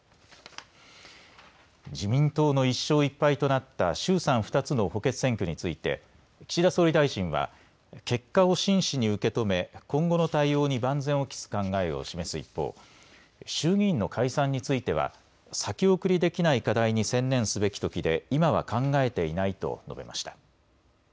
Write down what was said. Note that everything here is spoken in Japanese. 自民党の１勝１敗となった衆参２つの補欠選挙について岸田総理大臣は結果を真摯に受け止め今後の対応に万全を期す考えを示す一方、衆議院の解散については先送りできない課題に専念すべきときで今は考えていないと述べました。